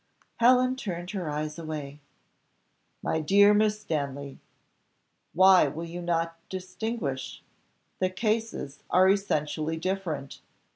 Helen turned her eyes away. "My dear Miss Stanley, why will not you distinguish? the cases are essentially different.